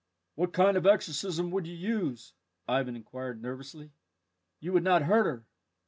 "What kind of exorcism would you use?" Ivan inquired nervously. "You would not hurt her?"